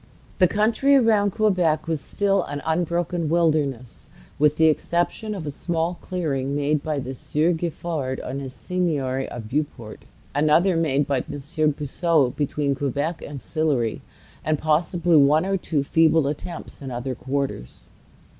The country around Quebec was still an unbroken wilderness, with the exception of a small clearing made by the Sieur Giffard on his seigniory of Beauport, another made by M. de Puiseaux between Quebec and Sillery, and possibly one or two feeble attempts in other quarters.